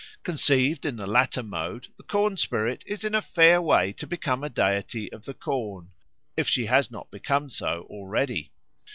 Conceived in the latter mode the corn spirit is in a fair way to become a deity of the corn, if she has not become so already.